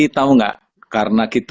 tahu nggak karena kita